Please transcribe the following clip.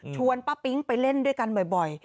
ป้าปิ๊งไปเล่นด้วยกันบ่อย